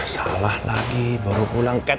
salah lagi baru pulang kat